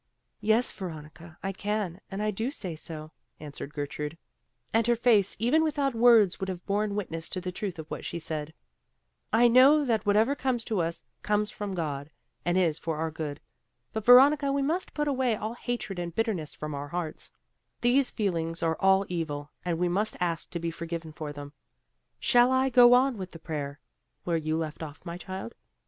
"Yes, Veronica, I can and I do say so," answered Gertrude, and her face even without words would have borne witness to the truth of what she said. "I know that what ever comes to us, comes from God, and is for our good. But Veronica, we must put away all hatred and bitterness from our hearts; these feelings are all evil, and we must ask to be forgiven for them. Shall I go on with the prayer, where you left off, my child?